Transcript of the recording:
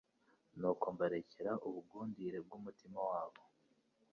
nuko mbarekera ubugundire bw’umutima wabo